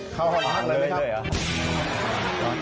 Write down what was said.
เข้าฮอลฮัตเลยมั้ยครับ